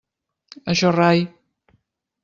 Això rai.